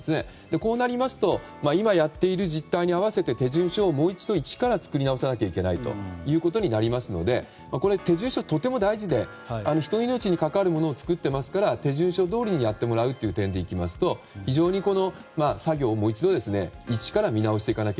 こうなりますと今やっている実態に合わせて手順書をもう一度一から作り直さなきゃいけないということになりますのでこの手順書とても大事で人の命に関わるもの作っていますから手順書どおりにやってもらうという点でいきますと作業をもう一度一から見直していかない。